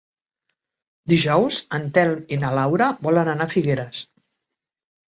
Dijous en Telm i na Laura volen anar a Figueres.